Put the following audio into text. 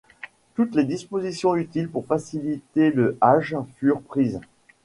Toutes les dispositions utiles pour faciliter le Hajj furent prises.